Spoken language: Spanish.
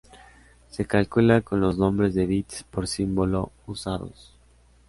Se calcula con los nombres de bits por símbolo usados.